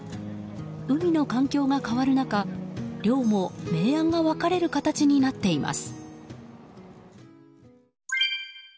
海の環境が変わる中漁も明暗が分かれる形になっています。